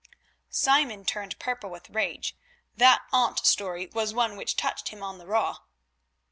Simon turned purple with rage; that aunt story was one which touched him on the raw.